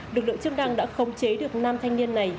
lực lượng chức năng đã khống chế được nam thanh niên này